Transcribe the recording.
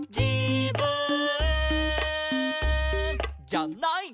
「じゃない」